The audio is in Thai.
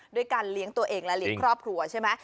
ด้วยการเลี้ยงตัวเองและเลี้ยงครอบครัวใช่ไหม